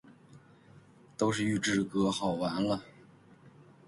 都是预制歌，好完了！